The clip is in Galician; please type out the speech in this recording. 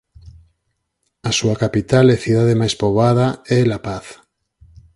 A súa capital e cidade máis poboada é La Paz.